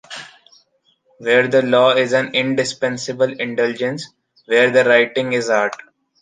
Where the law is an indispensable indulgence, where the writing is art.